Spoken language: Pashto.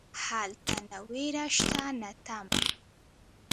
هلته نه ویره شته نه تمه.